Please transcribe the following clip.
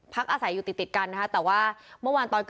พักอาศัยอยู่ติดกันนะคะ